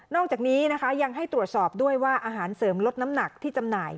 อกจากนี้นะคะยังให้ตรวจสอบด้วยว่าอาหารเสริมลดน้ำหนักที่จำหน่าย